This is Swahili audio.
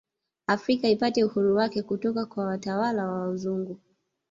Afrika ipate uhuru wake kutoka kwa watwala wa wazungu